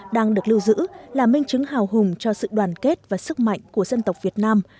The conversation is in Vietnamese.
đang được lưu giữ là minh chứng hào hùng cho sự đoàn kết và sức mạnh của dân tộc việt nam